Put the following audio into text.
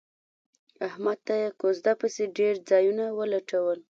احمد ته یې کوزده پسې ډېر ځایونه ولټول